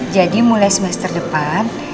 jadi mulai semester depan